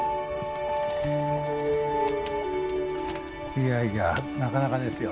いやいやなかなかですよ。